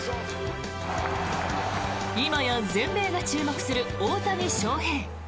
今や、全米が注目する大谷翔平。